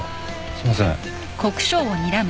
すいません。